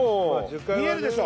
見えるでしょ？